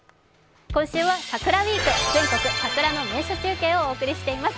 今週は「桜ウィーク全国桜の名所中継」をお送りしています。